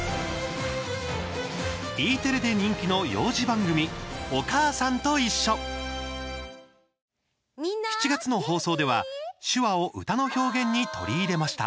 Ｅテレで人気の幼児番組「おかあさんといっしょ」。７月の放送では、手話を歌の表現に取り入れました。